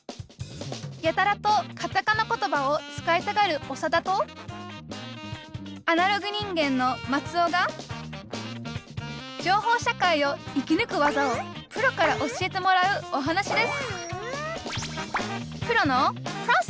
やたらとカタカナ言葉を使いたがるオサダとアナログ人間のマツオが情報社会を生きぬく技をプロから教えてもらうお話です